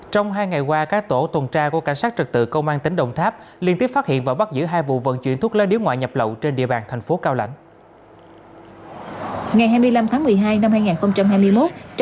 trong hai ngày qua các tổ tuần tra của cảnh sát trật tự công an tỉnh đồng tháp liên tiếp phát hiện và bắt giữ hai vụ vận chuyển thuốc lá điếu ngoại nhập lậu trên địa bàn thành phố cao lãnh